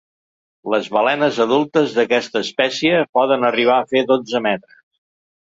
Les balenes adultes d’aquesta espècie poden arribar a fer dotze metres.